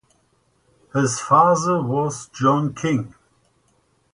His father was John King.